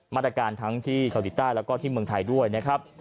มาตรการทั้งที่เกาหลีใต้แล้วก็ที่เมืองไทยด้วยนะครับ